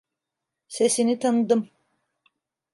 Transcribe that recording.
Sesini tanıdım.